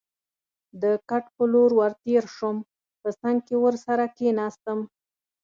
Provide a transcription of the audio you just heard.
د کټ په لور ور تېر شوم، په څنګ کې ورسره کېناستم.